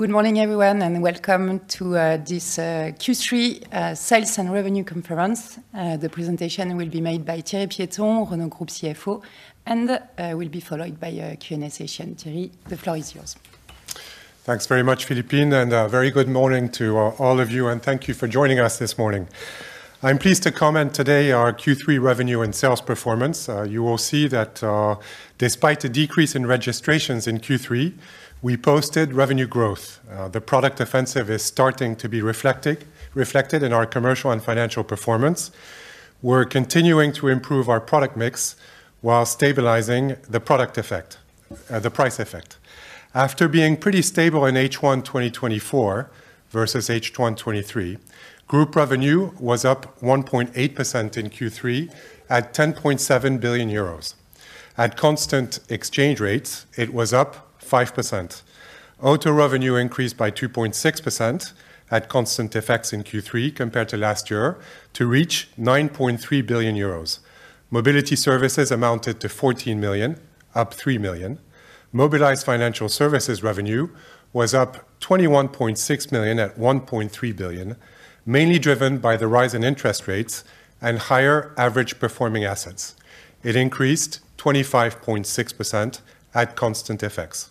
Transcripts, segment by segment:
Good morning, everyone, and welcome to this Q3 Sales and Revenue Conference. The presentation will be made by Thierry Piéton, Renault Group CFO, and will be followed by a Q&A session. Thierry, the floor is yours. Thanks very much, Philippine, and a very good morning to all of you, and thank you for joining us this morning. I'm pleased to comment today on our Q3 revenue and sales performance. You will see that, despite a decrease in registrations in Q3, we posted revenue growth. The product offensive is starting to be reflected in our commercial and financial performance. We're continuing to improve our product mix while stabilizing the product effect, the price effect. After being pretty stable in H1 2024 versus H1 2023, group revenue was up 1.8% in Q3 at 10.7 billion euros. At constant exchange rates, it was up 5%. Auto revenue increased by 2.6% at constant effects in Q3 compared to last year, to reach 9.3 billion euros. Mobility services amounted to 14 million, up 3 million. Mobilize Financial Services revenue was up 21.6 million at 1.3 billion, mainly driven by the rise in interest rates and higher average performing assets. It increased 25.6% at constant effects.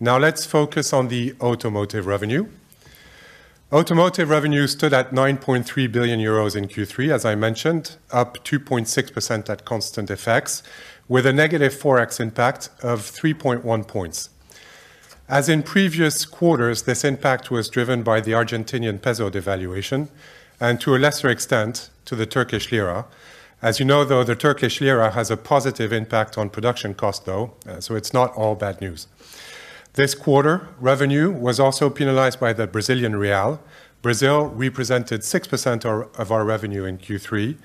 Now, let's focus on the automotive revenue. Automotive revenue stood at 9.3 billion euros in Q3, as I mentioned, up 2.6% at constant effects, with a negative Forex impact of 3.1 points. As in previous quarters, this impact was driven by the Argentinian peso devaluation and, to a lesser extent, to the Turkish lira. As you know, though, the Turkish lira has a positive impact on production cost, though, so it's not all bad news. This quarter, revenue was also penalized by the Brazilian real. Brazil represented 6% of our revenue in Q3,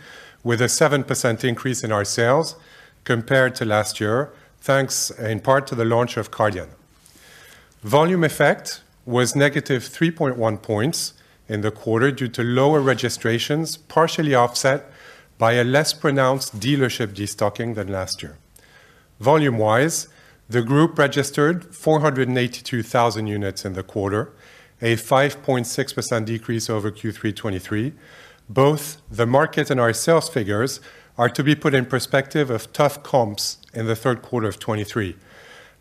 with a 7% increase in our sales compared to last year, thanks in part to the launch of Kardian. Volume effect was negative 3.1 points in the quarter due to lower registrations, partially offset by a less pronounced dealership destocking than last year. Volume-wise, the group registered 482,000 units in the quarter, a 5.6% decrease over Q3 2023. Both the market and our sales figures are to be put in perspective of tough comps in the third quarter of 2023.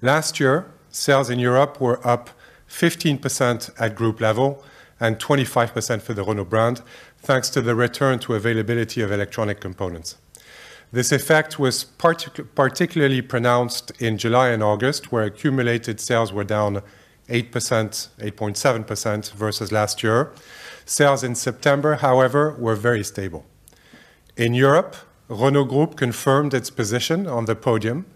Last year, sales in Europe were up 15% at group level and 25% for the Renault brand, thanks to the return to availability of electronic components. This effect was particularly pronounced in July and August, where accumulated sales were down 8%, 8.7% versus last year. Sales in September, however, were very stable. In Europe, Renault Group confirmed its position on the podium,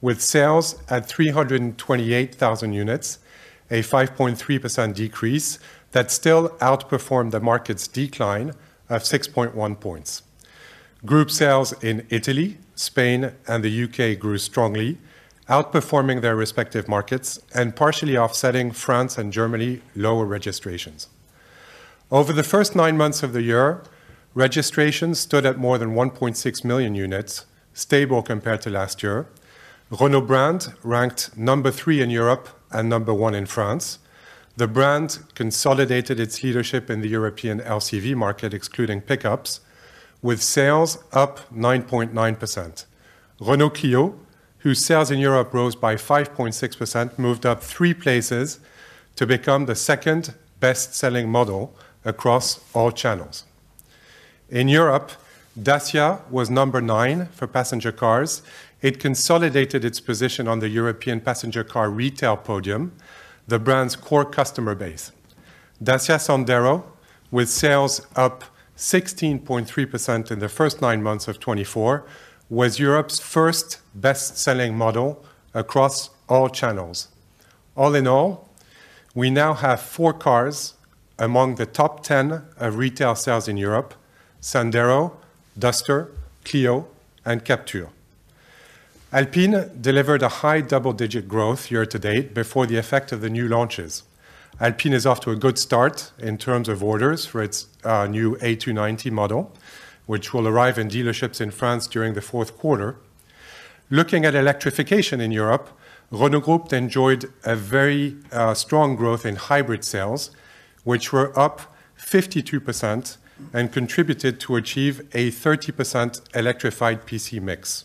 with sales at 328,000 units, a 5.3% decrease that still outperformed the market's decline of 6.1 points. Group sales in Italy, Spain, and the U.K. grew strongly, outperforming their respective markets and partially offsetting France and Germany lower registrations. Over the first nine months of the year, registrations stood at more than 1.6 million units, stable compared to last year. Renault brand ranked number three in Europe and number one in France. The brand consolidated its leadership in the European LCV market, excluding pickups, with sales up 9.9%. Renault Clio, whose sales in Europe rose by 5.6%, moved up three places to become the second best-selling model across all channels. In Europe, Dacia was number nine for passenger cars. It consolidated its position on the European passenger car retail podium, the brand's core customer base. Dacia Sandero, with sales up 16.3% in the first nine months of 2024, was Europe's first best-selling model across all channels. All in all, we now have four cars among the top ten of retail sales in Europe: Sandero, Duster, Clio, and Captur. Alpine delivered a high double-digit growth year to date before the effect of the new launches. Alpine is off to a good start in terms of orders for its new A290 model, which will arrive in dealerships in France during the fourth quarter. Looking at electrification in Europe, Renault Group enjoyed a very strong growth in hybrid sales, which were up 52% and contributed to achieve a 30% electrified PC mix.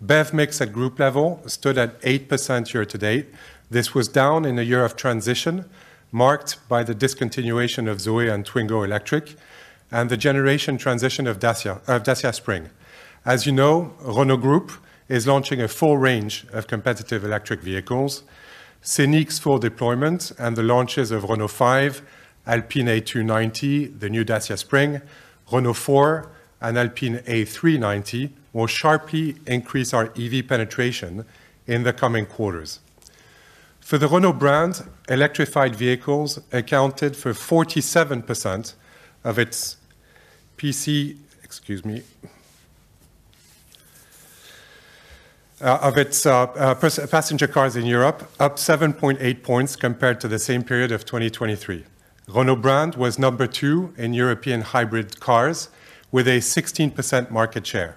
BEV mix at group level stood at 8% year to date. This was down in a year of transition, marked by the discontinuation of Zoe and Twingo Electric and the generation transition of Dacia Spring. As you know, Renault Group is launching a full range of competitive electric vehicles. Scenic's full deployment and the launches of Renault 5, Alpine A290, the new Dacia Spring, Renault 4, and Alpine A390 will sharply increase our EV penetration in the coming quarters. For the Renault brand, electrified vehicles accounted for 47% of its PC. Excuse me, of its passenger cars in Europe, up 7.8 points compared to the same period of 2023. Renault brand was number two in European hybrid cars with a 16% market share.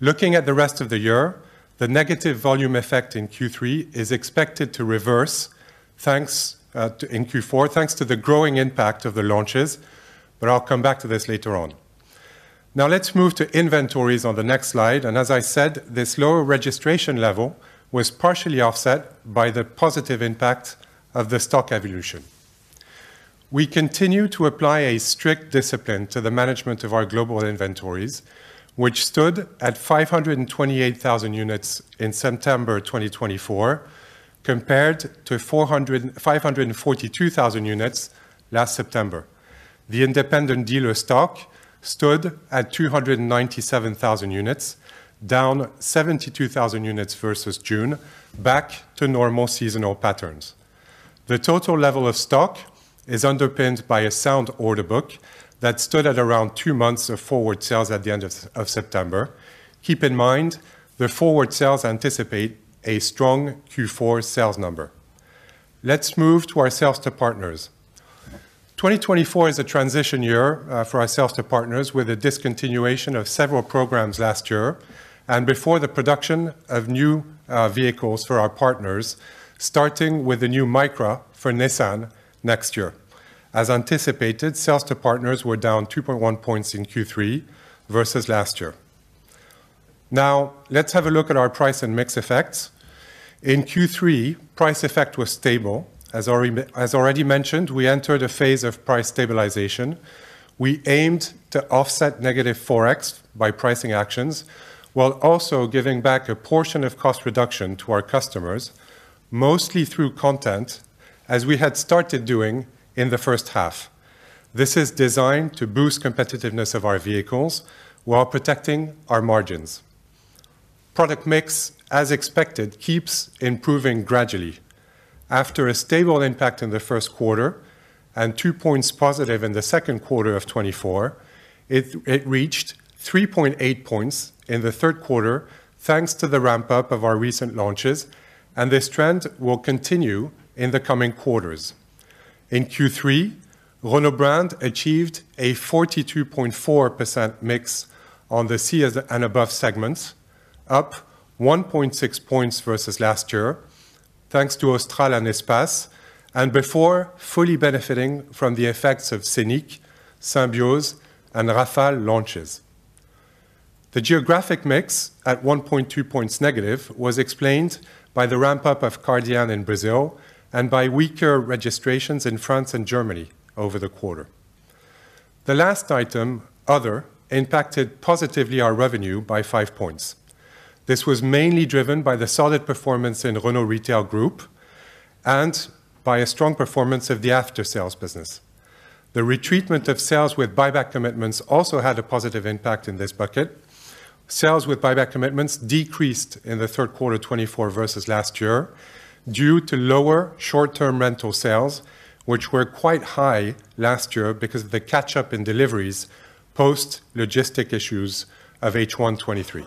Looking at the rest of the year, the negative volume effect in Q3 is expected to reverse in Q4, thanks to the growing impact of the launches, but I'll come back to this later on. Now, let's move to inventories on the next slide, and as I said, this lower registration level was partially offset by the positive impact of the stock evolution. We continue to apply a strict discipline to the management of our global inventories, which stood at 528,000 units in September 2024, compared to 542,000 units last September. The independent dealer stock stood at 297,000 units, down 72,000 units versus June, back to normal seasonal patterns. The total level of stock is underpinned by a sound order book that stood at around two months of forward sales at the end of September. Keep in mind, the forward sales anticipate a strong Q4 sales number. Let's move to our sales to partners. 2024 is a transition year for our sales to partners, with a discontinuation of several programs last year and before the production of new vehicles for our partners, starting with the new Micra for Nissan next year. As anticipated, sales to partners were down 2.1 points in Q3 versus last year. Now, let's have a look at our price and mix effects. In Q3, price effect was stable. As already mentioned, we entered a phase of price stabilization. We aimed to offset negative Forex by pricing actions, while also giving back a portion of cost reduction to our customers, mostly through content, as we had started doing in the first half. This is designed to boost competitiveness of our vehicles while protecting our margins. Product mix, as expected, keeps improving gradually. After a stable impact in the first quarter and 2 points positive in the second quarter of 2024, it reached 3.8 points in the third quarter, thanks to the ramp-up of our recent launches, and this trend will continue in the coming quarters. In Q3, Renault Brand achieved a 42.4% mix on the C and above segments, up 1.6 points versus last year, thanks to Austral and Espace, and before fully benefiting from the effects of Scenic, Symbioz, and Rafale launches. The geographic mix, at 1.2 points negative, was explained by the ramp-up of Kardian in Brazil and by weaker registrations in France and Germany over the quarter. The last item, other, impacted positively our revenue by 5 points. This was mainly driven by the solid performance in Renault Retail Group and by a strong performance of the after-sales business. The retrenchment of sales with buyback commitments also had a positive impact in this bucket. Sales with buyback commitments decreased in the third quarter of 2024 versus last year, due to lower short-term rental sales, which were quite high last year because of the catch-up in deliveries post-logistic issues of H1 2023.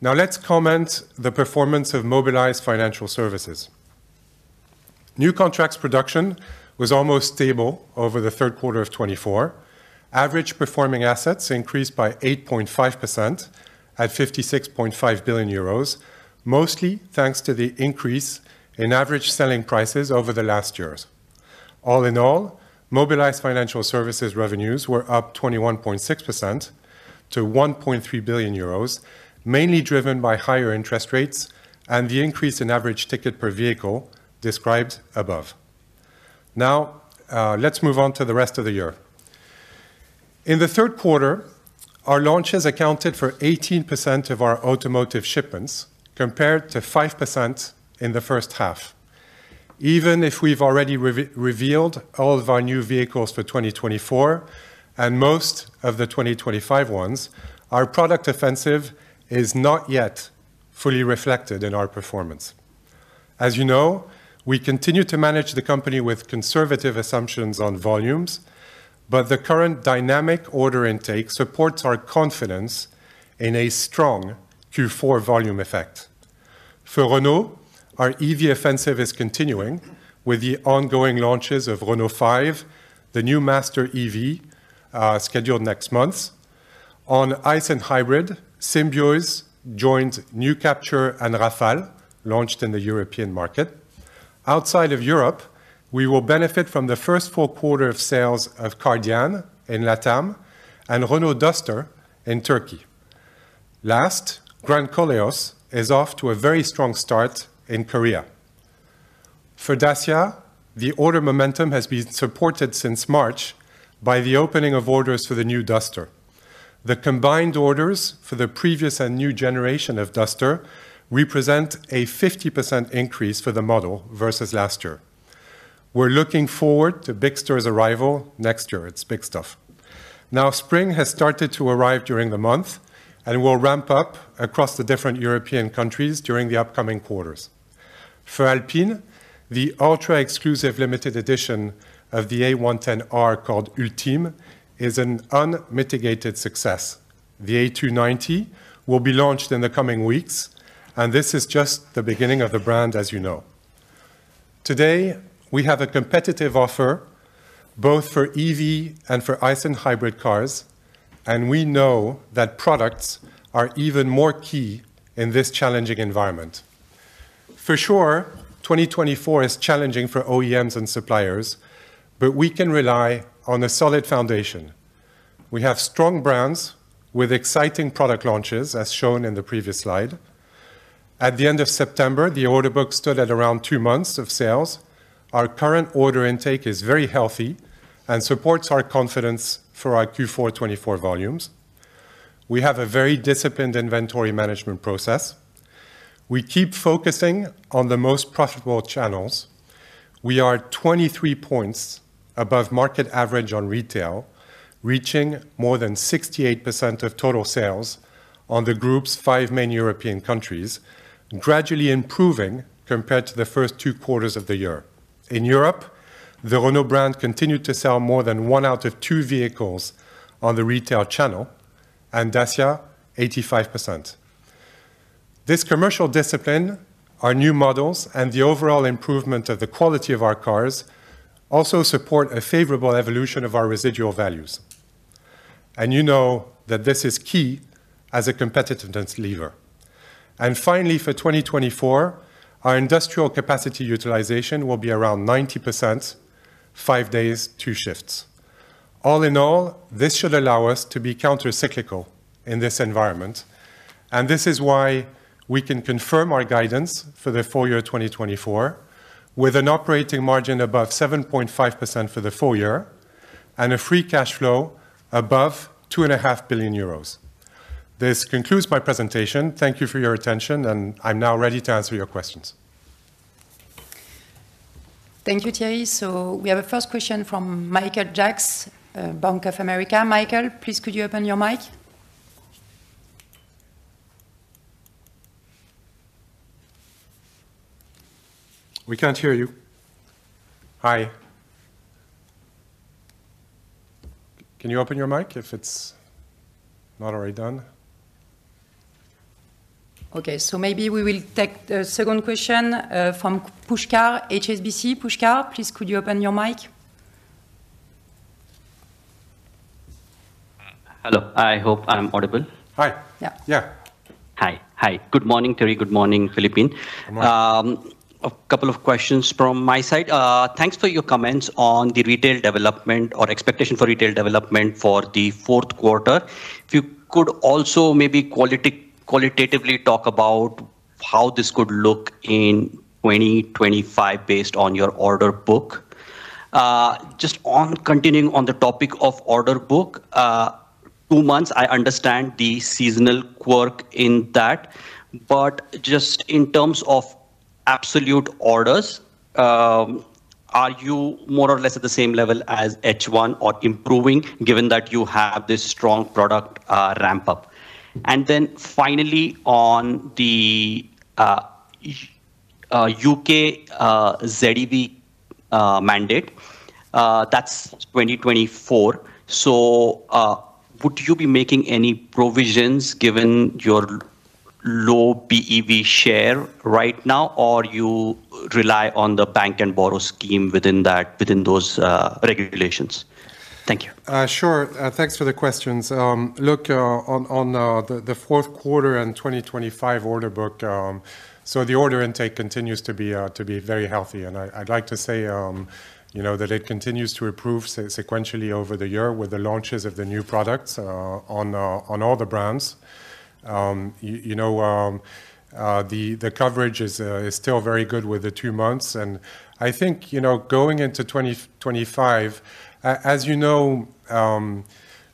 Now, let's comment on the performance of Mobilize Financial Services. New contracts production was almost stable over the third quarter of 2024. Average performing assets increased by 8.5% at 56.5 billion euros, mostly thanks to the increase in average selling prices over the last years. All in all, Mobilize Financial Services revenues were up 21.6% to 1.3 billion euros, mainly driven by higher interest rates and the increase in average ticket per vehicle described above. Now, let's move on to the rest of the year. In the third quarter, our launches accounted for 18% of our automotive shipments, compared to 5% in the first half. Even if we've already revealed all of our new vehicles for 2024 and most of the 2025 ones, our product offensive is not yet fully reflected in our performance. As you know, we continue to manage the company with conservative assumptions on volumes, but the current dynamic order intake supports our confidence in a strong Q4 volume effect. For Renault, our EV offensive is continuing with the ongoing launches of Renault 5, the new Master EV, scheduled next month. On ICE and hybrid, Symbioz joined new Captur and Rafale, launched in the European market. Outside of Europe, we will benefit from the first full quarter of sales of Kardian in LATAM and Renault Duster in Turkey. Last, Grand Koleos is off to a very strong start in Korea. For Dacia, the order momentum has been supported since March by the opening of orders for the new Duster. The combined orders for the previous and new generation of Duster represent a 50% increase for the model versus last year. We're looking forward to Bigster's arrival next year. It's big stuff. Now, Spring has started to arrive during the month and will ramp up across the different European countries during the upcoming quarters. For Alpine, the ultra-exclusive limited edition of the A110 R, called Ultime, is an unmitigated success. The A290 will be launched in the coming weeks, and this is just the beginning of the brand, as you know. Today, we have a competitive offer, both for EV and for ICE and hybrid cars, and we know that products are even more key in this challenging environment. For sure, 2024 is challenging for OEMs and suppliers, but we can rely on a solid foundation. We have strong brands with exciting product launches, as shown in the previous slide. At the end of September, the order book stood at around two months of sales. Our current order intake is very healthy and supports our confidence for our Q4 2024 volumes. We have a very disciplined inventory management process. We keep focusing on the most profitable channels. We are 23 points above market average on retail, reaching more than 68% of total sales on the group's five main European countries, gradually improving compared to the first two quarters of the year. In Europe, the Renault brand continued to sell more than one out of two vehicles on the retail channel, and Dacia, 85%. This commercial discipline, our new models, and the overall improvement of the quality of our cars also support a favorable evolution of our residual values, and you know that this is key as a competitiveness lever. And finally, for 2024, our industrial capacity utilization will be around 90%, five days, two shifts. All in all, this should allow us to be countercyclical in this environment, and this is why we can confirm our guidance for the full year 2024, with an operating margin above 7.5% for the full year and a free cash flow above 2.5 billion euros. This concludes my presentation. Thank you for your attention, and I'm now ready to answer your questions. Thank you, Thierry. So we have a first question from Michael Jacks, Bank of America. Michael, please, could you open your mic? We can't hear you. Hi. Can you open your mic if it's not already done? Okay, so maybe we will take the second question from Pushkar, HSBC. Pushkar, please, could you open your mic? Hello, I hope I'm audible. Hi. Yeah. Yeah. Hi. Hi. Good morning, Thierry. Good morning, Philippe. Good morning. A couple of questions from my side. Thanks for your comments on the retail development or expectation for retail development for the fourth quarter. If you could also maybe qualitatively talk about how this could look in twenty twenty-five based on your order book. Just continuing on the topic of order book, two months, I understand the seasonal quirk in that, but just in terms of absolute orders, are you more or less at the same level as H1 or improving, given that you have this strong product ramp-up? And then finally, on the U.K. ZEV mandate, that's twenty twenty-four. So, would you be making any provisions given your low BEV share right now, or you rely on the bank and borrow scheme within that, within those regulations? Thank you. Sure. Thanks for the questions. Look, on the fourth quarter and 2025 order book, so the order intake continues to be very healthy. And I'd like to say, you know, that it continues to improve sequentially over the year with the launches of the new products, on all the brands. You know, the coverage is still very good with the two months. And I think, you know, going into 2025, as you know,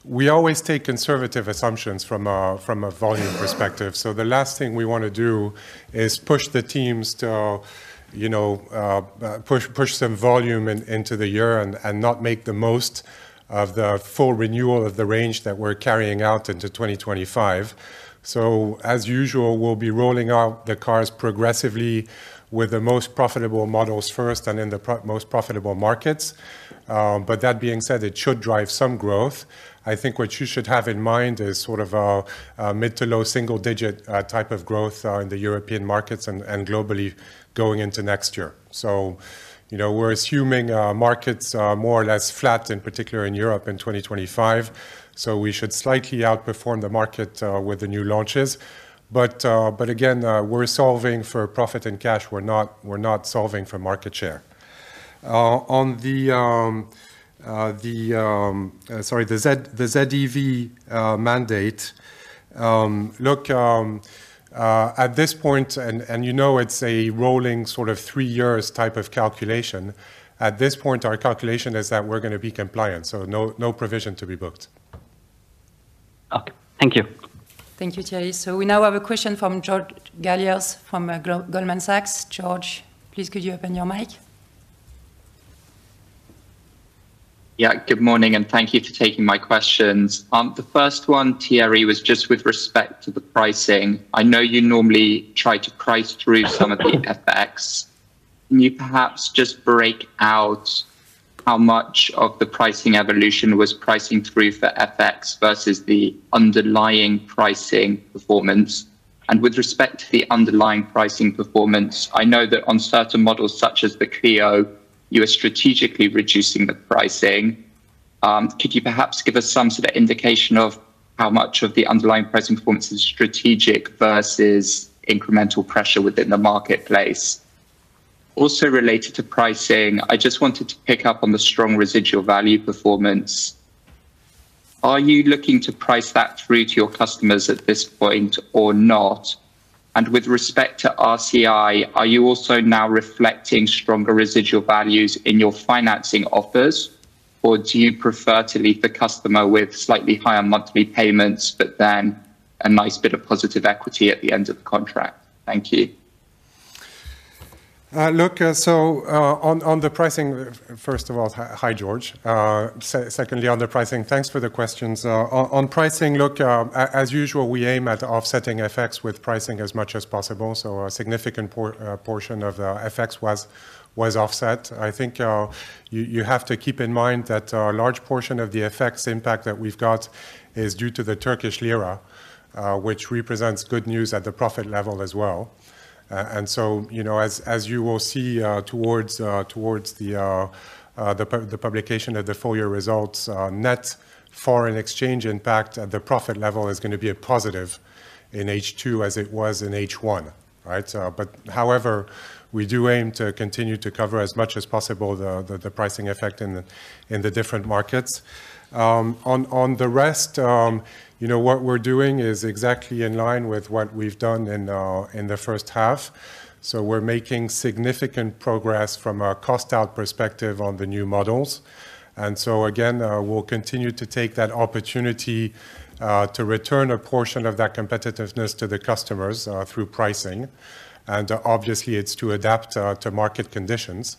we always take conservative assumptions from a volume perspective. So the last thing we want to do is push the teams to, you know, push some volume into the year and not make the most of the full renewal of the range that we're carrying out into 2025. As usual, we'll be rolling out the cars progressively with the most profitable models first and in the most profitable markets. But that being said, it should drive some growth. I think what you should have in mind is sort of a mid- to low-single-digit type of growth in the European markets and globally going into next year. You know, we're assuming markets are more or less flat, in particular in Europe, in 2025, so we should slightly outperform the market with the new launches. But again, we're solving for profit and cash. We're not solving for market share. On the ZEV mandate, look, at this point. And you know, it's a rolling sort of three years type of calculation. At this point, our calculation is that we're going to be compliant, so no provision to be booked. Okay. Thank you. Thank you, Thierry. So we now have a question from George Galliers from Goldman Sachs. George, please, could you open your mic? Yeah, good morning, and thank you for taking my questions. The first one, Thierry, was just with respect to the pricing. I know you normally try to price through some of the effects. Can you perhaps just break out how much of the pricing evolution was pricing through for FX versus the underlying pricing performance? And with respect to the underlying pricing performance, I know that on certain models, such as the Clio, you are strategically reducing the pricing. Could you perhaps give us some sort of indication of how much of the underlying price performance is strategic versus incremental pressure within the marketplace? Also related to pricing, I just wanted to pick up on the strong residual value performance. Are you looking to price that through to your customers at this point or not? With respect to RCI, are you also now reflecting stronger residual values in your financing offers, or do you prefer to leave the customer with slightly higher monthly payments, but then a nice bit of positive equity at the end of the contract? Thank you. Look, so on the pricing, first of all, hi, George. Secondly, on the pricing, thanks for the questions. On pricing, look, as usual, we aim at offsetting effects with pricing as much as possible, so a significant portion of the effects was offset. I think you have to keep in mind that a large portion of the effects impact that we've got is due to the Turkish lira, which represents good news at the profit level as well. And so, you know, as you will see, towards the publication of the full year results, net foreign exchange impact at the profit level is going to be a positive in H2 as it was in H1, right? However, we do aim to continue to cover as much as possible the pricing effect in the different markets. On the rest, you know, what we're doing is exactly in line with what we've done in the first half. We're making significant progress from a cost out perspective on the new models. Again, we'll continue to take that opportunity to return a portion of that competitiveness to the customers through pricing, and obviously it's to adapt to market conditions.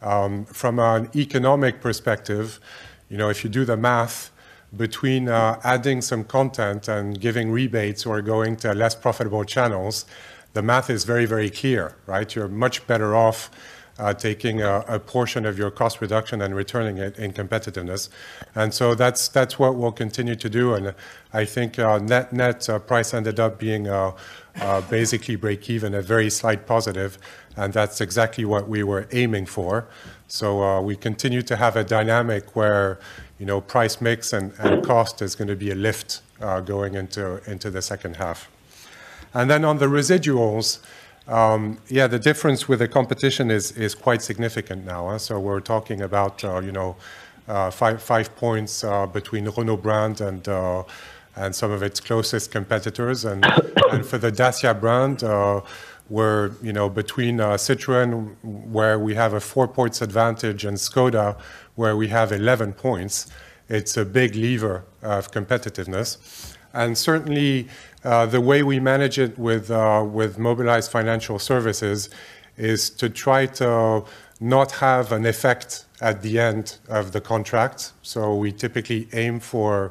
From an economic perspective, you know, if you do the math between adding some content and giving rebates or going to less profitable channels, the math is very, very clear, right? You're much better off taking a portion of your cost reduction and returning it in competitiveness. And so that's what we'll continue to do, and I think our net price ended up being basically break even, a very slight positive, and that's exactly what we were aiming for. We continue to have a dynamic where, you know, price mix and cost is gonna be a lift going into the second half. Then on the residuals, the difference with the competition is quite significant now, huh? We're talking about, you know, five points between Renault brand and some of its closest competitors. And for the Dacia brand, we're, you know, between Citroën, where we have a four points advantage, and Škoda, where we have eleven points. It's a big lever of competitiveness. Certainly, the way we manage it with our Mobilize Financial Services is to try to not have an effect at the end of the contract. So we typically aim for,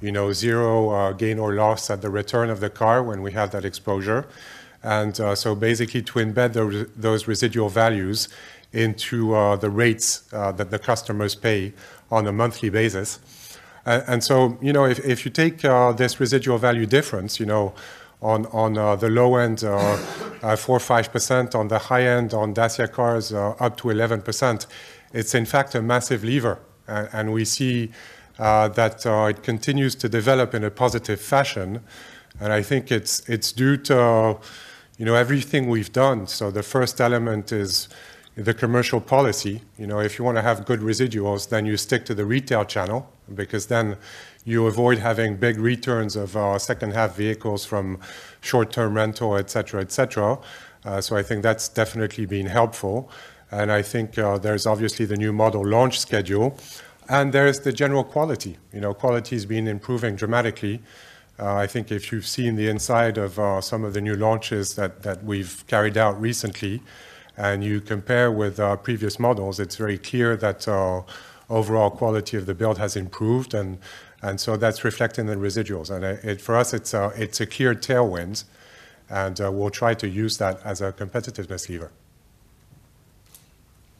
you know, zero gain or loss at the return of the car when we have that exposure. And so basically, to embed those residual values into the rates that the customers pay on a monthly basis. And so, you know, if you take this residual value difference, you know, on the low end, four or five percent, on the high end, on Dacia cars, up to 11%, it's in fact a massive lever. And we see that it continues to develop in a positive fashion, and I think it's due to, you know, everything we've done. So the first element is the commercial policy. You know, if you want to have good residuals, then you stick to the retail channel, because then you avoid having big returns of our second-half vehicles from short-term rental, et cetera, et cetera. So I think that's definitely been helpful, and I think there's obviously the new model launch schedule, and there is the general quality. You know, quality's been improving dramatically. I think if you've seen the inside of some of the new launches that we've carried out recently, and you compare with our previous models, it's very clear that our overall quality of the build has improved, and so that's reflected in the residuals. For us, it's a clear tailwind, and we'll try to use that as a competitiveness lever.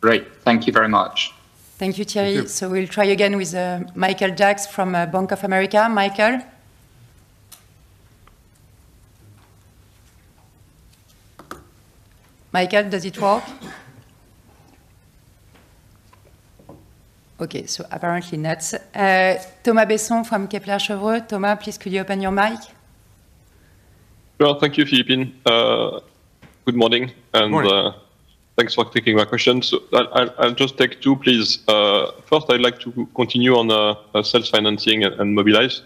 Great. Thank you very much. Thank you, Thierry. Thank you. So we'll try again with Michael Jacks from Bank of America. Michael? Michael, does it work? Okay, so apparently not. Thomas Besson from Kepler Cheuvreux. Thomas, please, could you open your mic? Thank you, Philippine. Good morning, and- Good morning... thanks for taking my questions. So I'll just take two, please. First, I'd like to continue on self-financing and Mobilize.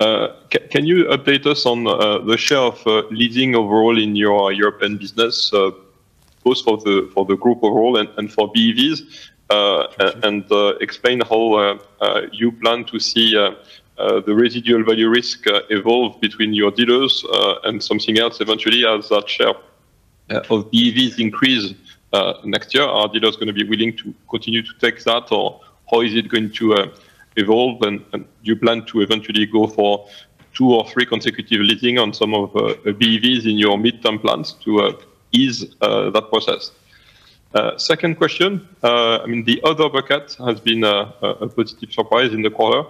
Can you update us on the share of lending overall in your European business, both for the group overall and for BEVs, and explain how you plan to see the residual value risk evolve between your dealers and something else eventually as that share for BEVs increase next year? Are dealers gonna be willing to continue to take that, or how is it going to evolve, and do you plan to eventually go for...... two or three consecutive leasing on some of BEVs in your midterm plans to ease that process. Second question, I mean, the other bucket has been a positive surprise in the quarter.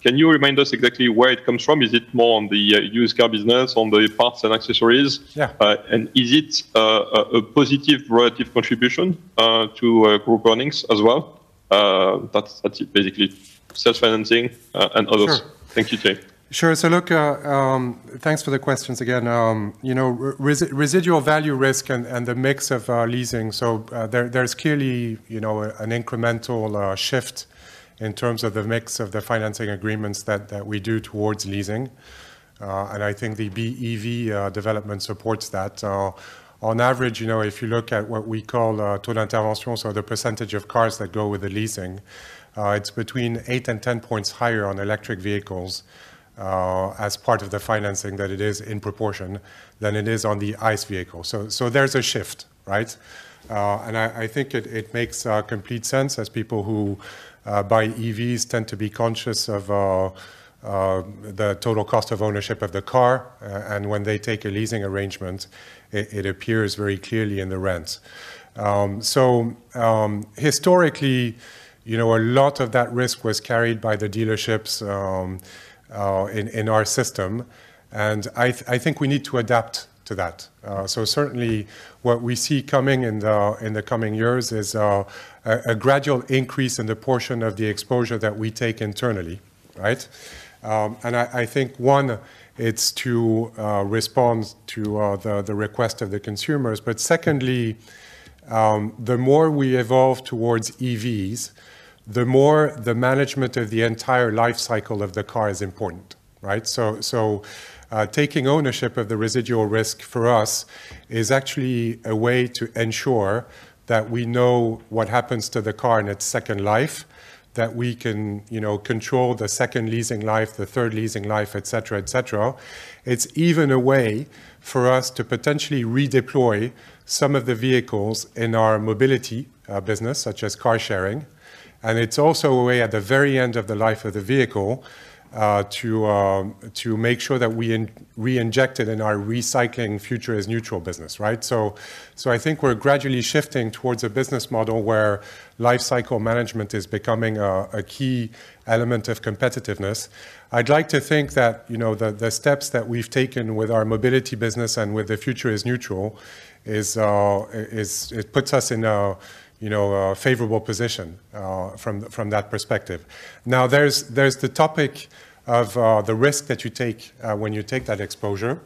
Can you remind us exactly where it comes from? Is it more on the used car business, on the parts and accessories? Yeah. And is it a positive relative contribution to group earnings as well? That's it, basically. Self-financing and others. Sure. Thank you, Jay. Sure. So look, thanks for the questions again. You know, residual value risk and the mix of leasing, so there, there's clearly, you know, an incremental shift in terms of the mix of the financing agreements that we do towards leasing. And I think the BEV development supports that. On average, you know, if you look at what we call total intervention, so the percentage of cars that go with the leasing, it's between eight and 10 points higher on electric vehicles as part of the financing that it is in proportion than it is on the ICE vehicle. So there's a shift, right? And I think it makes complete sense as people who buy EVs tend to be conscious of the total cost of ownership of the car. And when they take a leasing arrangement, it appears very clearly in the rent. So, historically, you know, a lot of that risk was carried by the dealerships in our system, and I think we need to adapt to that. So certainly, what we see coming in the coming years is a gradual increase in the portion of the exposure that we take internally, right? I think it's to respond to the request of the consumers, but secondly, the more we evolve towards EVs, the more the management of the entire life cycle of the car is important, right? Taking ownership of the residual risk for us is actually a way to ensure that we know what happens to the car in its second life, that we can, you know, control the second leasing life, the third leasing life, et cetera, et cetera. It's even a way for us to potentially redeploy some of the vehicles in our mobility business, such as car sharing, and it's also a way, at the very end of the life of the vehicle, to make sure that we reinject it in our recycling The Future Is Neutral business, right? I think we're gradually shifting towards a business model where life cycle management is becoming a key element of competitiveness. I'd like to think that, you know, the steps that we've taken with our mobility business and with The Future Is Neutral is. It puts us in a, you know, a favorable position from that perspective. Now, there's the topic of the risk that you take when you take that exposure.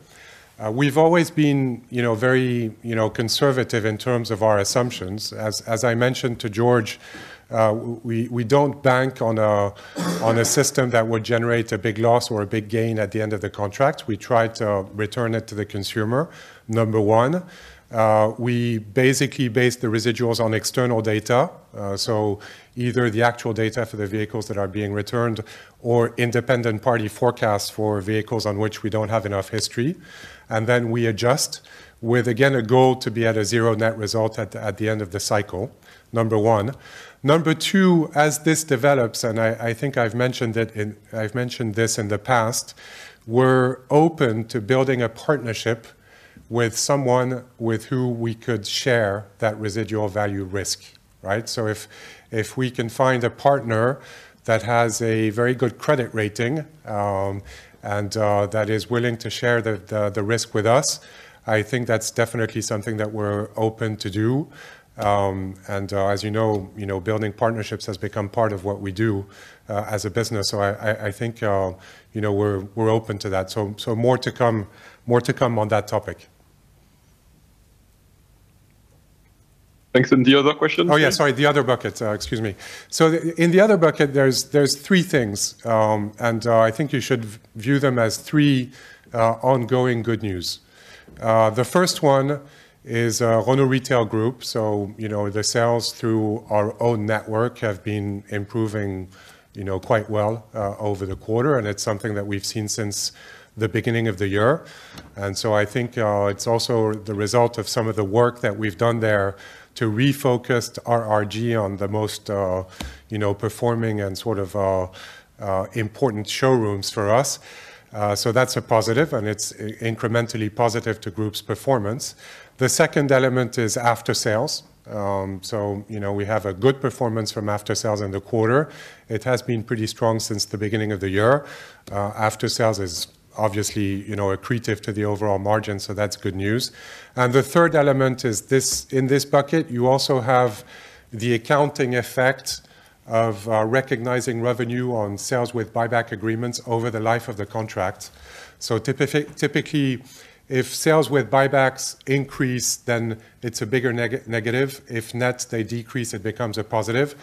We've always been, you know, very, you know, conservative in terms of our assumptions. As I mentioned to George, we don't bank on a system that would generate a big loss or a big gain at the end of the contract. We try to return it to the consumer, number one. We basically base the residuals on external data, so either the actual data for the vehicles that are being returned or independent party forecasts for vehicles on which we don't have enough history, and then we adjust, with, again, a goal to be at a zero net result at the end of the cycle, number one. Number two, as this develops, and I think I've mentioned this in the past, we're open to building a partnership with someone with who we could share that residual value risk, right? So if we can find a partner that has a very good credit rating, and that is willing to share the risk with us, I think that's definitely something that we're open to do. As you know, you know, building partnerships has become part of what we do as a business. So I think, you know, we're open to that. So more to come on that topic. Thanks. And the other question, please? Oh, yeah, sorry, the other bucket. Excuse me. So in the other bucket, there's three things, and I think you should view them as three ongoing good news. The first one is Renault Retail Group. So, you know, the sales through our own network have been improving, you know, quite well over the quarter, and it's something that we've seen since the beginning of the year. And so I think it's also the result of some of the work that we've done there to refocus RRG on the most, you know, performing and sort of important showrooms for us. So that's a positive, and it's incrementally positive to group's performance. The second element is after-sales. So, you know, we have a good performance from after-sales in the quarter. It has been pretty strong since the beginning of the year. After-sales is obviously, you know, accretive to the overall margin, so that's good news. And the third element is this, in this bucket, you also have the accounting effect of recognizing revenue on sales with buyback agreements over the life of the contract. So typically, if sales with buybacks increase, then it's a bigger negative. If net, they decrease, it becomes a positive.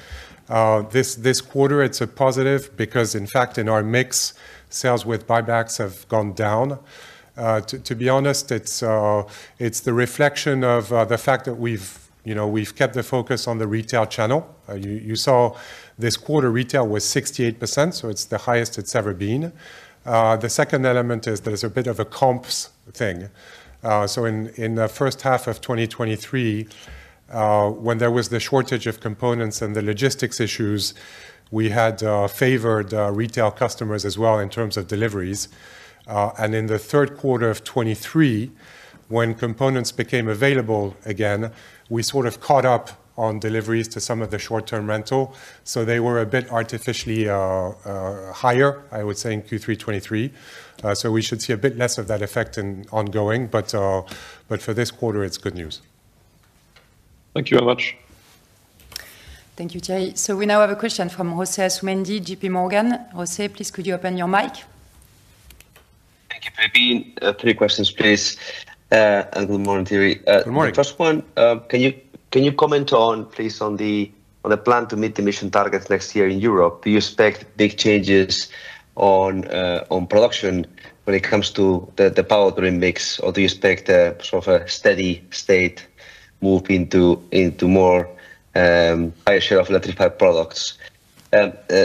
This quarter, it's a positive because, in fact, in our mix, sales with buybacks have gone down. To be honest, it's the reflection of the fact that we've, you know, we've kept the focus on the retail channel. You saw this quarter, retail was 68%, so it's the highest it's ever been. The second element is there's a bit of a comps thing. So in the first half of 2023, when there was the shortage of components and the logistics issues, we had favored retail customers as well in terms of deliveries. And in the third quarter of 2023, when components became available again, we sort of caught up on deliveries to some of the short-term rental, so they were a bit artificially higher, I would say, in Q3 2023. So we should see a bit less of that effect in ongoing, but for this quarter, it's good news. Thank you very much. ... Thank you, Thierry, so we now have a question from Jose Asumendi, J.P. Morgan. Jose, please, could you open your mic? Thank you, Philippine. Three questions, please. And good morning, Thierry. Good morning. The first one, can you comment on, please, on the plan to meet the emission targets next year in Europe? Do you expect big changes on production when it comes to the powertrain mix, or do you expect a sort of a steady state move into more higher share of electrified products?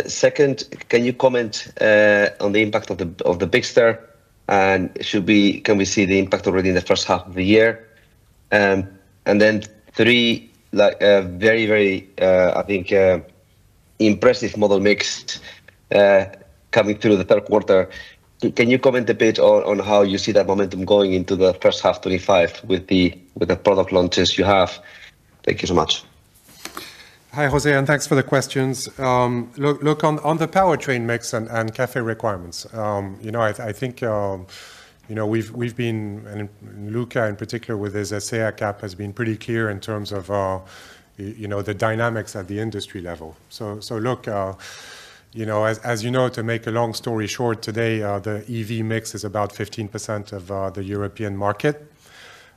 Second, can you comment on the impact of the Bigster, and can we see the impact already in the first half of the year? And then three, like, a very, I think, impressive model mix coming through the third quarter. Can you comment a bit on how you see that momentum going into the first half 2025 with the product launches you have? Thank you so much. Hi, José, and thanks for the questions. Look, on the powertrain mix and CAFE requirements, you know, I think, you know, we've been, and Luca in particular with his ACEA cap has been pretty clear in terms of, you know, the dynamics at the industry level. So, look, you know, as you know, to make a long story short, today, the EV mix is about 15% of the European market.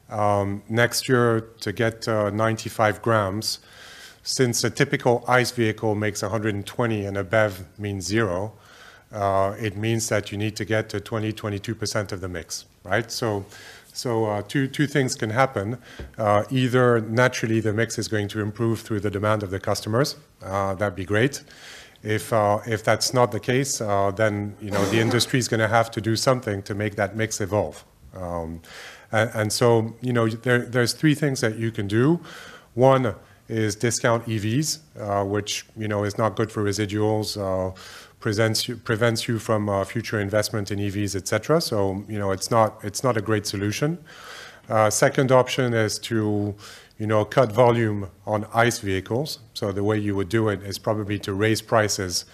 Next year, to get 95 grams, since a typical ICE vehicle makes 120 and a BEV means zero, it means that you need to get to 22% of the mix, right? So, two things can happen. Either naturally the mix is going to improve through the demand of the customers. That'd be great. If that's not the case, then, you know, the industry is gonna have to do something to make that mix evolve. And so, you know, there's three things that you can do. One is discount EVs, which, you know, is not good for residuals, prevents you from future investment in EVs, et cetera. So, you know, it's not a great solution. Second option is to, you know, cut volume on ICE vehicles. So the way you would do it is probably to raise prices,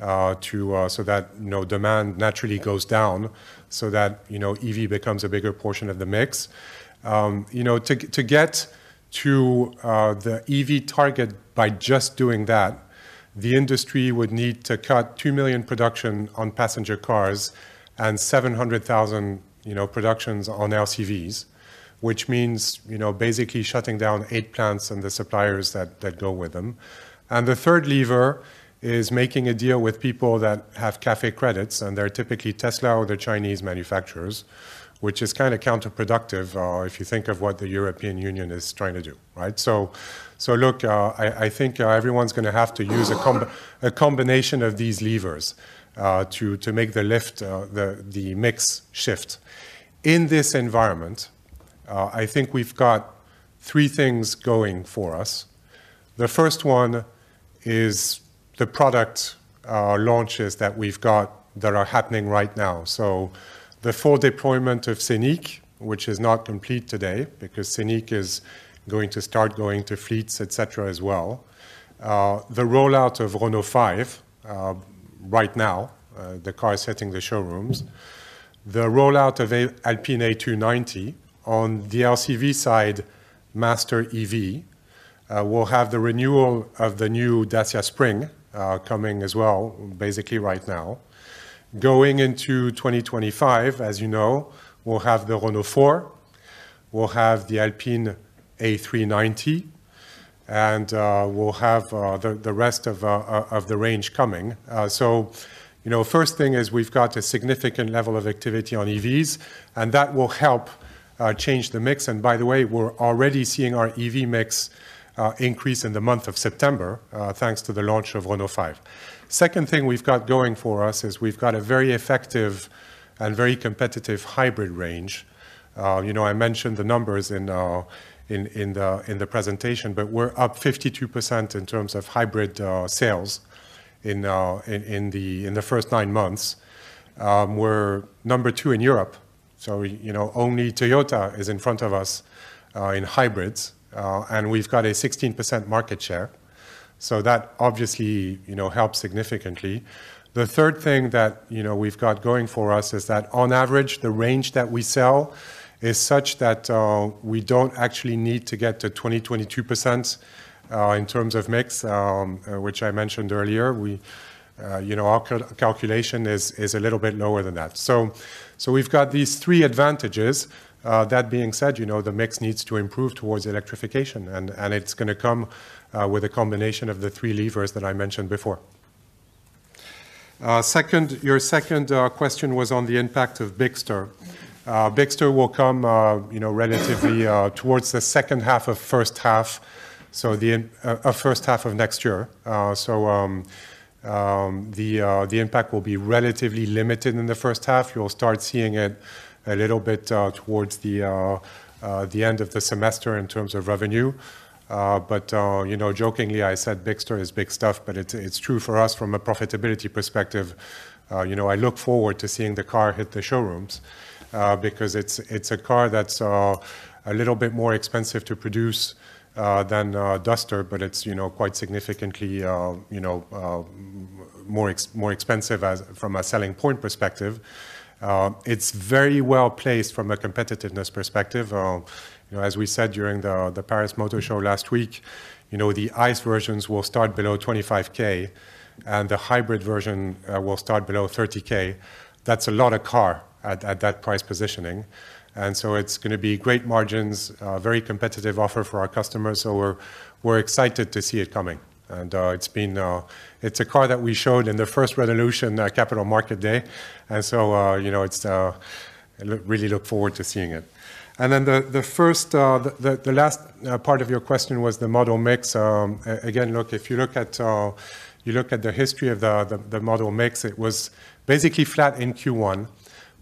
to so that, you know, demand naturally goes down, so that, you know, EV becomes a bigger portion of the mix. You know, to get to the EV target by just doing that, the industry would need to cut two million production on passenger cars and seven hundred thousand, you know, productions on LCVs, which means, you know, basically shutting down eight plants and the suppliers that go with them. And the third lever is making a deal with people that have CAFE credits, and they're typically Tesla or the Chinese manufacturers, which is kinda counterproductive, if you think of what the European Union is trying to do, right? So, look, I think everyone's gonna have to use a combination of these levers to make the lift, the mix shift. In this environment, I think we've got three things going for us. The first one is the product launches that we've got that are happening right now. So the full deployment of Scenic, which is not complete today, because Scenic is going to start going to fleets, et cetera, as well. The rollout of Renault 5 right now, the car is hitting the showrooms. The rollout of Alpine A290 on the LCV side, Master EV, will have the renewal of the new Dacia Spring coming as well, basically right now. Going into twenty twenty-five, as you know, we'll have the Renault 4, we'll have the Alpine A390, and we'll have the rest of the range coming. So, you know, first thing is we've got a significant level of activity on EVs, and that will help change the mix. By the way, we're already seeing our EV mix increase in the month of September, thanks to the launch of Renault 5. Second thing we've got going for us is we've got a very effective and very competitive hybrid range. You know, I mentioned the numbers in the presentation, but we're up 52% in terms of hybrid sales in the first nine months. We're number two in Europe, so, you know, only Toyota is in front of us in hybrids, and we've got a 16% market share, so that obviously, you know, helps significantly. The third thing that, you know, we've got going for us is that on average, the range that we sell is such that, we don't actually need to get to 22%, in terms of mix, which I mentioned earlier. We, you know, our calculation is a little bit lower than that. So, we've got these three advantages. That being said, you know, the mix needs to improve towards electrification, and it's gonna come with a combination of the three levers that I mentioned before. Second, your second question was on the impact of Bigster. Bigster will come, you know, relatively, towards the second half of first half, so the end first half of next year. So, the impact will be relatively limited in the first half. You'll start seeing it a little bit towards the end of the semester in terms of revenue. You know, jokingly, I said Bigster is big stuff, but it's true for us from a profitability perspective. You know, I look forward to seeing the car hit the showrooms because it's a car that's a little bit more expensive to produce than Duster, but it's you know, quite significantly more expensive as from a selling point perspective. It's very well-placed from a competitiveness perspective. You know, as we said during the Paris Motor Show last week, you know, the ICE versions will start below 25,000, and the hybrid version will start below 30,000. That's a lot of car at that price positioning, and so it's gonna be great margins, a very competitive offer for our customers. So we're excited to see it coming. And it's been. It's a car that we showed in the first Revolution Capital Market Day, and so you know, it's look really look forward to seeing it. And then the first, the last part of your question was the model mix. Again, look, if you look at you look at the history of the model mix, it was basically flat in Q1,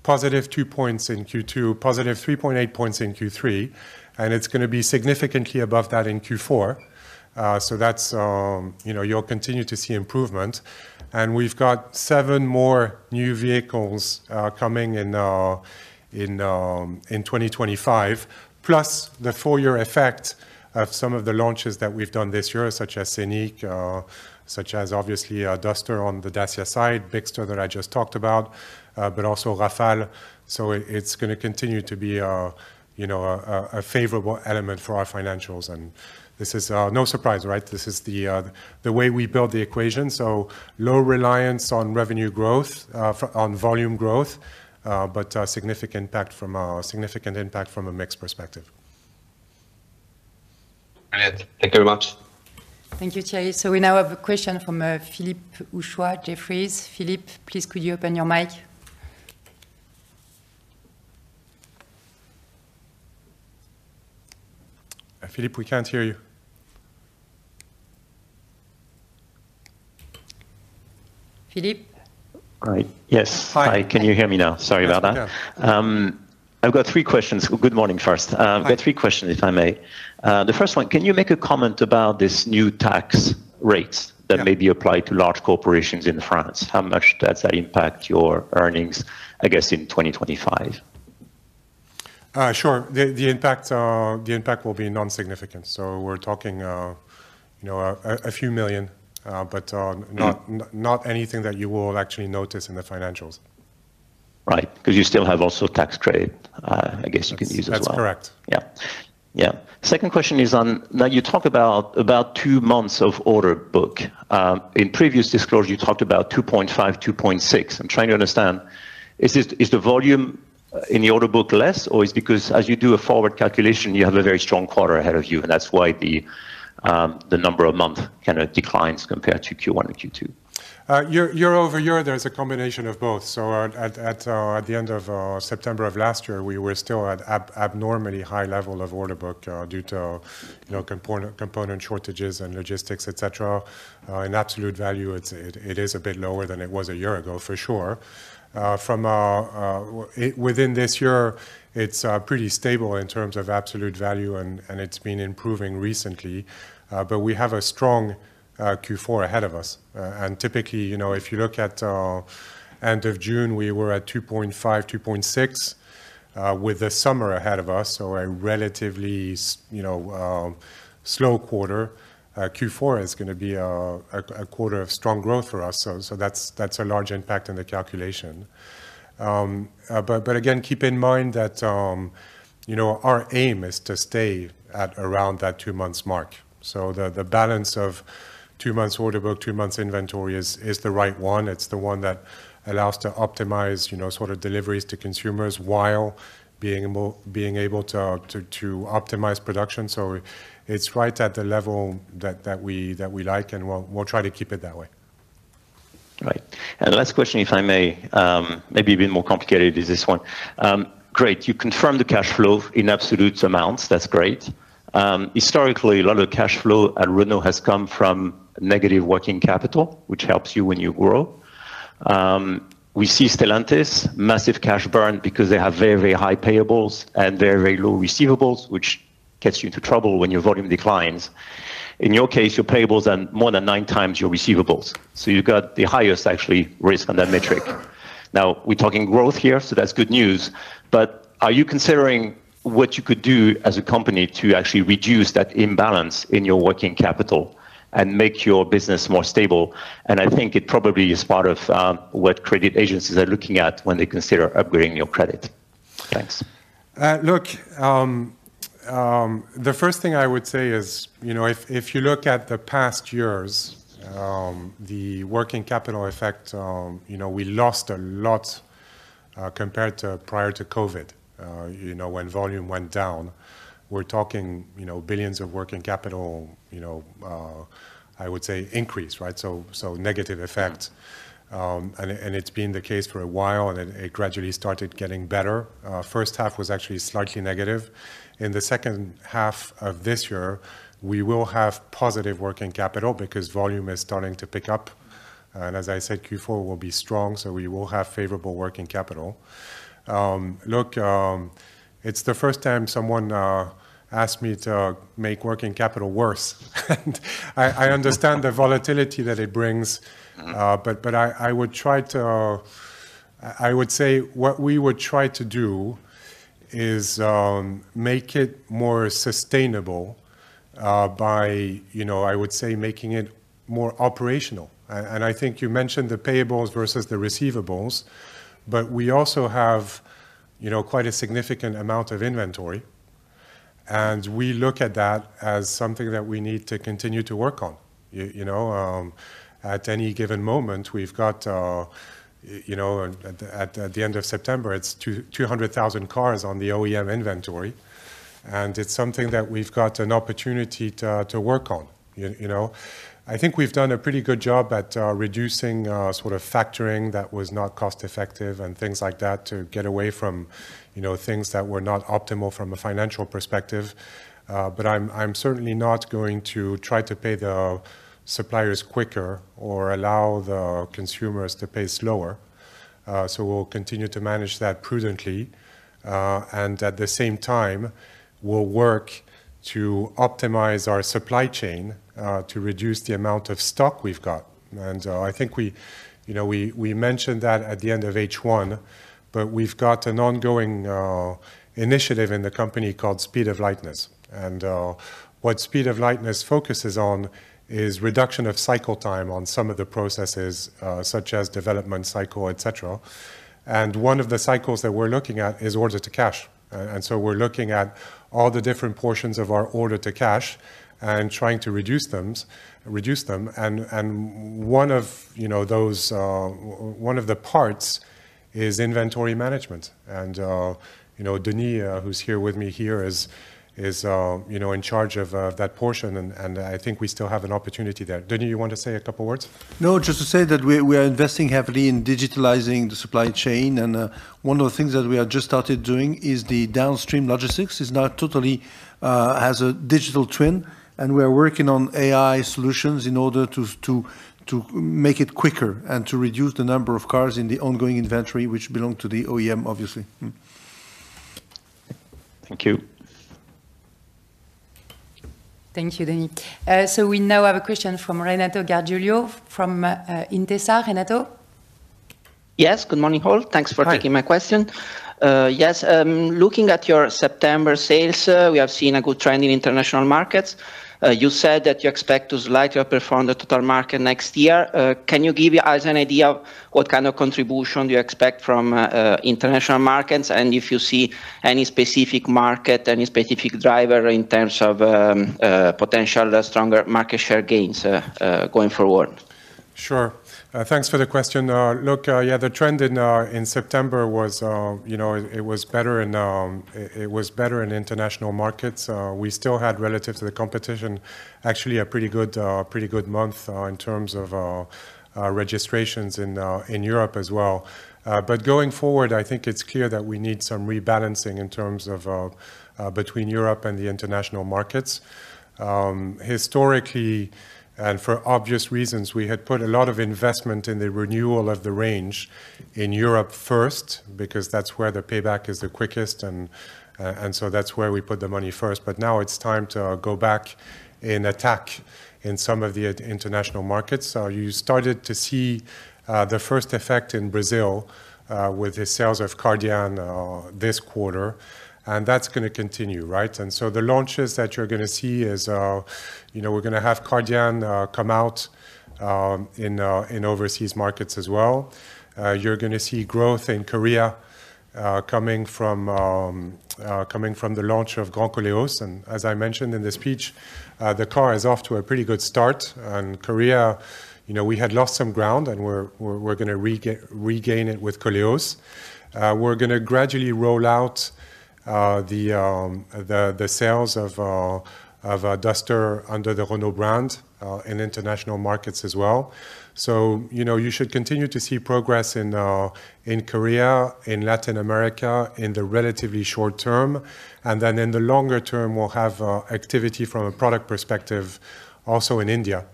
positive two points in Q2, positive three point eight points in Q3, and it's gonna be significantly above that in Q4. So that's. You know, you'll continue to see improvement. We've got seven more new vehicles coming in in 2025, plus the full year effect of some of the launches that we've done this year, such as Scenic, such as obviously Duster on the Dacia side, Bigster that I just talked about, but also Rafale. So it, it's gonna continue to be a, you know, a favorable element for our financials. This is no surprise, right? This is the way we build the equation. Low reliance on revenue growth, on volume growth, but significant impact from a mix perspective. Great. Thank you very much. Thank you, Thierry. So we now have a question from Philippe Houchois, Jefferies. Philippe, please, could you open your mic? Philippe, we can't hear you. Philippe? Hi. Yes. Hi. Hi, can you hear me now? Yes, we can. Sorry about that. I've got three questions. Good morning, first. Hi. I've got three questions, if I may. The first one, can you make a comment about this new tax rates? Yeah... that may be applied to large corporations in France? How much does that impact your earnings, I guess, in 2025? Sure. The impact will be non-significant. So we're talking, you know, a few million, but Mm... not, not anything that you will actually notice in the financials. Right. 'Cause you still have also tax credit, I guess you can use as well. That's correct. Yeah. Yeah. Second question is on... Now, you talk about, about two months of order book. In previous disclosure, you talked about two point five, two point six. I'm trying to understand, is it- is the volume in the order book less, or it's because as you do a forward calculation, you have a very strong quarter ahead of you, and that's why the number of month kind of declines compared to Q1 and Q2? Year-over-year, there is a combination of both. So at the end of September of last year, we were still at an abnormally high level of order book due to, you know, component shortages and logistics, et cetera. In absolute value, it is a bit lower than it was a year ago, for sure. Within this year, it's pretty stable in terms of absolute value, and it's been improving recently. But we have a strong Q4 ahead of us. And typically, you know, if you look at end of June, we were at two point five, two point six with the summer ahead of us, so a relatively you know, slow quarter. Q4 is gonna be a quarter of strong growth for us, so that's a large impact on the calculation, but again, keep in mind that, you know, our aim is to stay at around that two months mark, so the balance of two months order book, two months inventory is the right one. It's the one that allows to optimize, you know, sort of deliveries to consumers while being able to optimize production, so it's right at the level that we like, and we'll try to keep it that way. Right. And last question, if I may. Maybe a bit more complicated is this one. Great, you confirmed the cash flow in absolute amounts. That's great. Historically, a lot of cash flow at Renault has come from negative working capital, which helps you when you grow. We see Stellantis, massive cash burn, because they have very, very high payables and very, very low receivables, which gets you into trouble when your volume declines. In your case, your payables are more than nine times your receivables, so you've got the highest actual risk on that metric. Now, we're talking growth here, so that's good news, but are you considering what you could do as a company to actually reduce that imbalance in your working capital and make your business more stable? I think it probably is part of what credit agencies are looking at when they consider upgrading your credit. Thanks. Look, the first thing I would say is, you know, if you look at the past years, the working capital effect, you know, we lost a lot, compared to prior to COVID, you know, when volume went down. We're talking, you know, billions of working capital, you know, I would say, increase, right? So, negative effect. And it's been the case for a while, and it gradually started getting better. First half was actually slightly negative. In the second half of this year, we will have positive working capital because volume is starting to pick up, and as I said, Q4 will be strong, so we will have favorable working capital. Look, it's the first time someone asked me to make working capital worse, and I understand the volatility that it brings- Mm-hmm... but I would try to. I would say what we would try to do is make it more sustainable by, you know, I would say, making it more operational. And I think you mentioned the payables versus the receivables, but we also have, you know, quite a significant amount of inventory, and we look at that as something that we need to continue to work on. You know, at any given moment, we've got, you know, at the end of September, it's 200,000 cars on the OEM inventory, and it's something that we've got an opportunity to work on, you know? I think we've done a pretty good job at reducing sort of factoring that was not cost effective and things like that, to get away from, you know, things that were not optimal from a financial perspective. But I'm, I'm certainly not going to try to pay the suppliers quicker or allow the consumers to pay slower. So we'll continue to manage that prudently, and at the same time, we'll work to optimize our supply chain, to reduce the amount of stock we've got, and I think we, you know, we, we mentioned that at the end of H1, but we've got an ongoing initiative in the company called Speed of Lightness, and what Speed of Lightness focuses on is reduction of cycle time on some of the processes, such as development cycle, et cetera. And one of the cycles that we're looking at is order to cash. And so we're looking at all the different portions of our order to cash and trying to reduce them. And one of, you know, those, one of the parts is inventory management. And, you know, Denis, who's here with me here, is in charge of that portion, and I think we still have an opportunity there. Denis, you want to say a couple words? No, just to say that we are investing heavily in digitalizing the supply chain, and one of the things that we have just started doing is the downstream logistics is now totally has a digital twin, and we are working on AI solutions in order to make it quicker and to reduce the number of cars in the ongoing inventory, which belong to the OEM, obviously. Mm. Thank you. Thank you, Denis. So we now have a question from Renato Gargiulo from Intesa. Renato? Yes, good morning, all. Hi. Thanks for taking my question. Yes, looking at your September sales, we have seen a good trend in international markets. You said that you expect to slightly outperform the total market next year. Can you give us an idea of what kind of contribution do you expect from international markets? And if you see any specific market, any specific driver in terms of potential stronger market share gains going forward? Sure. Thanks for the question. Look, yeah, the trend in September was, you know, it was better in international markets. We still had, relative to the competition, actually a pretty good month in terms of registrations in Europe as well. But going forward, I think it's clear that we need some rebalancing in terms of between Europe and the international markets. Historically, and for obvious reasons, we had put a lot of investment in the renewal of the range in Europe first, because that's where the payback is the quickest, and so that's where we put the money first. But now it's time to go back and attack in some of the international markets. You started to see the first effect in Brazil with the sales of Kardian this quarter, and that's gonna continue, right? And so the launches that you're gonna see is, you know, we're gonna have Kardian come out in overseas markets as well. You're gonna see growth in Korea coming from the launch of Grand Koleos. And as I mentioned in the speech, the car is off to a pretty good start. And Korea, you know, we had lost some ground, and we're gonna regain it with Koleos. We're gonna gradually roll out the sales of Duster under the Renault brand in international markets as well. So, you know, you should continue to see progress in Korea, in Latin America, in the relatively short term, and then in the longer term, we'll have activity from a product perspective also in India.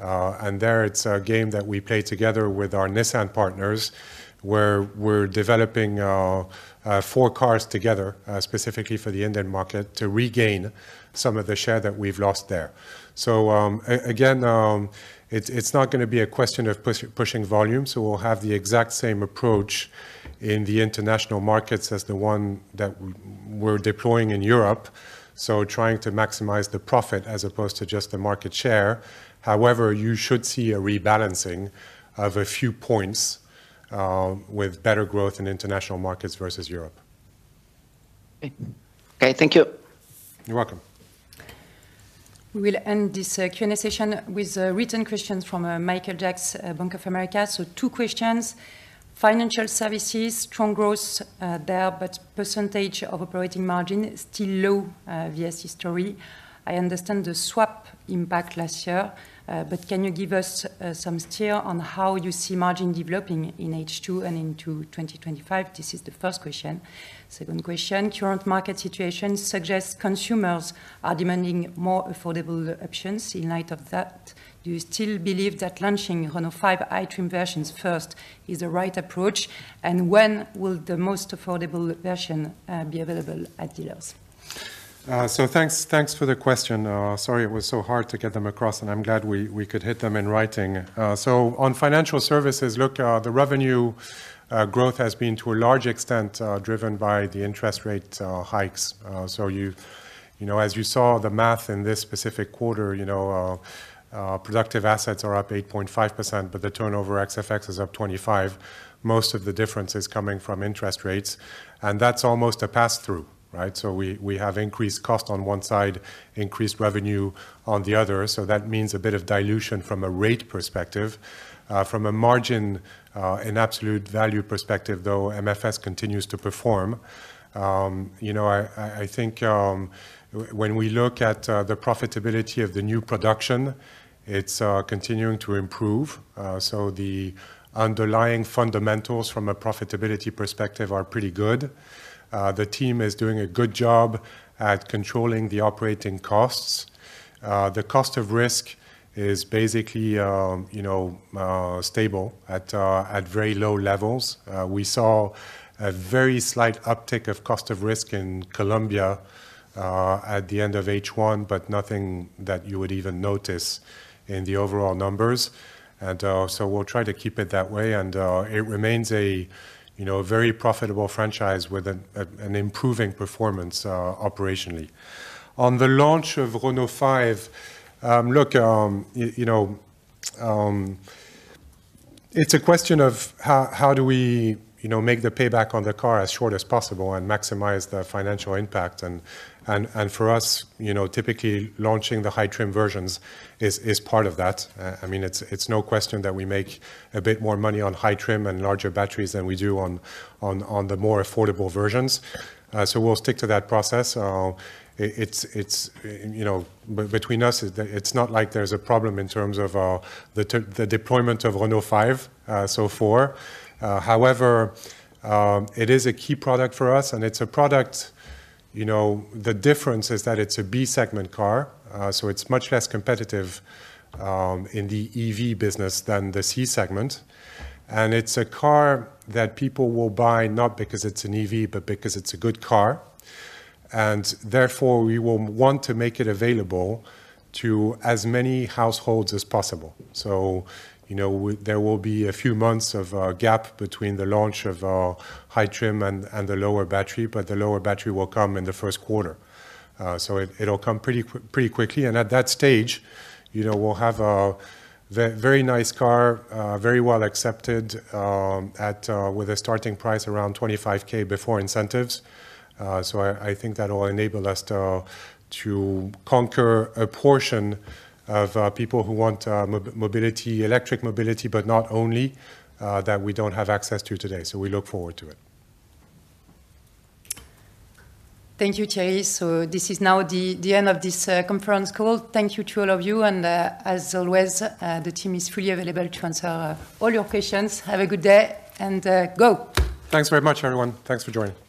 And there it's a game that we play together with our Nissan partners, where we're developing four cars together, specifically for the Indian market, to regain some of the share that we've lost there. So, again, it's not gonna be a question of pushing volume, so we'll have the exact same approach in the international markets as the one that we're deploying in Europe, so trying to maximize the profit as opposed to just the market share. However, you should see a rebalancing of a few points, with better growth in international markets versus Europe. Okay, thank you. You're welcome. We'll end this Q&A session with written questions from Michael Jacks, Bank of America. So two questions: Financial services, strong growth there, but percentage of operating margin is still low vs. history. I understand the swap impact last year, but can you give us some steer on how you see margin developing in H2 and into 2025? This is the first question. Second question, current market situation suggests consumers are demanding more affordable options. In light of that, do you still believe that launching Renault 5 high trim versions first is the right approach? And when will the most affordable version be available at dealers?... So thanks, thanks for the question. Sorry it was so hard to get them across, and I'm glad we, we could hit them in writing. So on financial services, look, the revenue growth has been, to a large extent, driven by the interest rate hikes. So you know, as you saw the math in this specific quarter, you know, productive assets are up 8.5%, but the turnover ex FX is up 25. Most of the difference is coming from interest rates, and that's almost a pass-through, right? So we, we have increased cost on one side, increased revenue on the other, so that means a bit of dilution from a rate perspective. From a margin and absolute value perspective, though, MFS continues to perform. You know, I think when we look at the profitability of the new production, it's continuing to improve, so the underlying fundamentals from a profitability perspective are pretty good. The team is doing a good job at controlling the operating costs. The cost of risk is basically, you know, stable at very low levels. We saw a very slight uptick of cost of risk in Colombia at the end of H1, but nothing that you would even notice in the overall numbers, and so we'll try to keep it that way, and it remains a, you know, very profitable franchise with an improving performance, operationally. On the launch of Renault 5, look, you know, it's a question of how do we, you know, make the payback on the car as short as possible and maximize the financial impact. And for us, you know, typically, launching the high-trim versions is part of that. I mean, it's no question that we make a bit more money on high trim and larger batteries than we do on the more affordable versions. So we'll stick to that process. You know, between us, it's not like there's a problem in terms of the deployment of Renault 5 so far. However, it is a key product for us, and it's a product, you know, the difference is that it's a B-segment car. So it's much less competitive in the EV business than the C segment. And it's a car that people will buy not because it's an EV, but because it's a good car, and therefore, we will want to make it available to as many households as possible. So, you know, there will be a few months of a gap between the launch of our high trim and the lower battery, but the lower battery will come in the first quarter. So it'll come pretty quickly, and at that stage, you know, we'll have a very nice car, very well accepted with a starting price around 25K before incentives. I think that will enable us to conquer a portion of people who want mobility, electric mobility, but not only, that we don't have access to today. So we look forward to it. Thank you, Thierry. So this is now the end of this conference call. Thank you to all of you, and, as always, the team is freely available to answer all your questions. Have a good day, and go! Thanks very much, everyone. Thanks for joining.